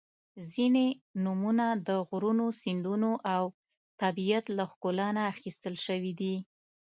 • ځینې نومونه د غرونو، سیندونو او طبیعت له ښکلا نه اخیستل شوي دي.